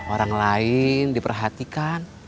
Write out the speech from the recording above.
orang lain diperhatikan